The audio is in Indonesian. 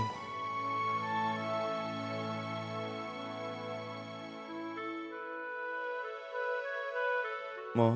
kau bisa jadi suami yang baik